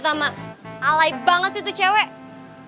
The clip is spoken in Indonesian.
sampai jumpa di video selanjutnya